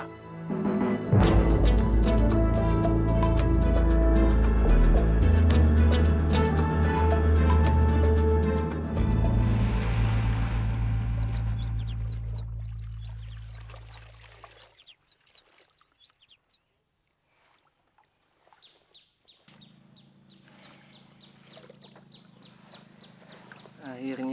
akanku beri pelajaran anak maling itu